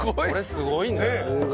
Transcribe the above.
すごいよ！